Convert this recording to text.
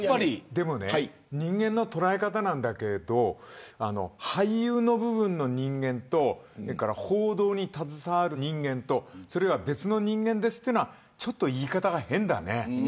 人間の捉え方なんだけど俳優の部分の人間と報道に携わる人間とそれが別の人間ですというのはちょっと言い方が変だね。